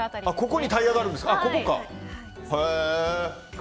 ここにタイヤがあるんですか。